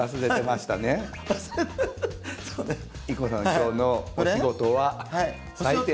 今日のお仕事は採点。